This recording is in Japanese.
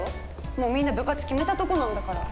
もうみんな部活決めたとこなんだから。